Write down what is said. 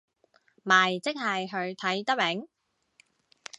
咪即係佢睇得明